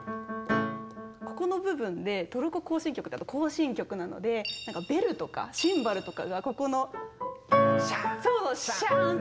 ここの部分で「トルコ行進曲」だと行進曲なのでベルとかシンバルとかがここの。シャーン！